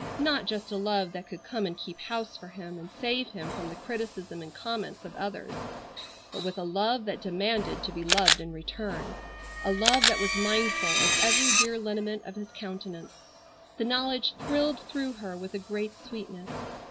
Not just a love that could come and keep house for him and save him from the criticisms and comments of others; but with a love that demanded to be loved in return; a love that was mindful of every dear lineament of his countenance. The knowledge thrilled through her with a great sweetness.